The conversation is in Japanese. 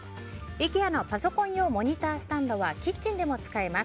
ＩＫＥＡのパソコン用モニタースタンドはキッチンでも使えます。